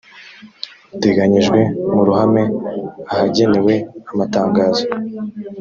uteganyijwe mu ruhame ahagenewe amatangazo